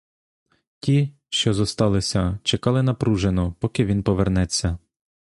Ті, що зосталися, чекали напружено, поки він повернеться.